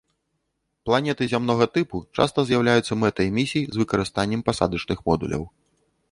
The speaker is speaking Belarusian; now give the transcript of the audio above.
Планеты зямнога тыпу часта з'яўляюцца мэтай місій з выкарыстаннем пасадачных модуляў.